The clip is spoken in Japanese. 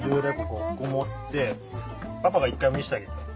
ここ持ってパパが一回見せてあげるから。